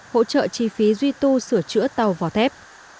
hỗ trợ chi phí duy tu sửa chữa tàu vỏ thép